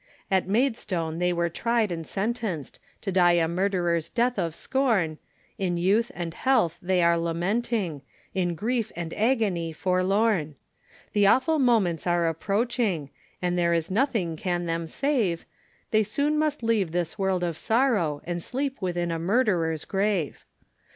At Maidstone they were tried and sentenc'd To die a murderer's death of scorn, In youth and health they are lamenting, In grief and agony forlorn; The awful moments are approaching, And there is nothing can them save, They soon must leave this world of sorrow, And sleep within a murderer's grave.